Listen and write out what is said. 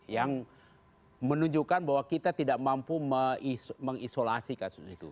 yang menunjukkan bahwa kita tidak mampu mengisolasi kasus itu